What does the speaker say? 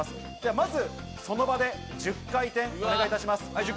まずその場で１０回転お願いします。